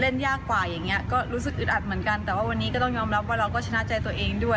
ยากกว่าอย่างเงี้ยก็รู้สึกอึดอัดเหมือนกันแต่ว่าวันนี้ก็ต้องยอมรับว่าเราก็ชนะใจตัวเองด้วย